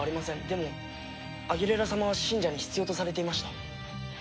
でもアギレラ様は信者に必要とされていました。